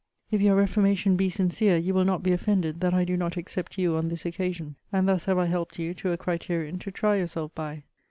If your reformation be sincere, you will not be offended that I do not except you on this occasion. And thus have I helped you to a criterion to try yourself by.